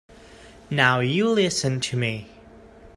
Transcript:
Now you listen to me.